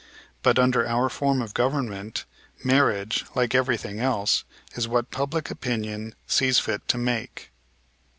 But under our form of government marriage, like everything else, is what public opinion sees fit to make it.